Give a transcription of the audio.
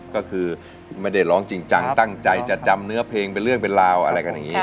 ก็คือไม่ได้ร้องจริงจังตั้งใจจะจำเนื้อเพลงเป็นเรื่องเป็นราวอะไรกันอย่างนี้